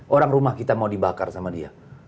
orang rumah kita mau dibakar sama dia